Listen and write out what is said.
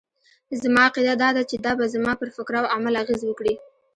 زما عقيده دا ده چې دا به زما پر فکراو عمل اغېز وکړي.